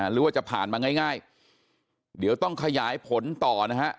หรือว่าจะผ่านมาง่ายเดี๋ยวต้องขยายผลต่อนะฮะ